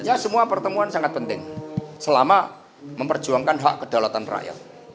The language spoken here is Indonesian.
ya semua pertemuan sangat penting selama memperjuangkan hak kedaulatan rakyat